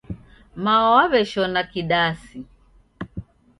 Mao waweshona kidasi